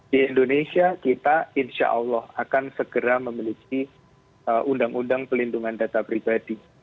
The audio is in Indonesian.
di indonesia kita insya allah akan segera memiliki undang undang pelindungan data pribadi